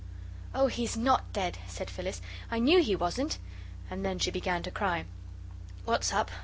"Oh, he's NOT dead," said Phyllis. "I KNEW he wasn't," and she began to cry. "What's up?